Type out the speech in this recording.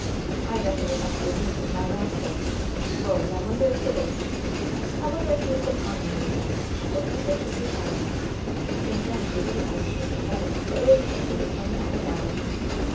I reckon it must be news of my rascaL Lord ! I wonder if it is ? I wonder if he's been hung or anything ? I hope to gracious he has ! And then she wouldn't mention it in a letter, but wait imtil she could tell me all about it!